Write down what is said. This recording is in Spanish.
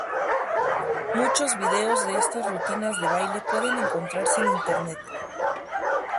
Muchos videos de estas rutinas de baile pueden encontrarse en Internet.